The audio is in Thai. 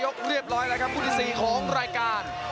เรียบร้อยแล้วครับคู่ที่๔ของรายการ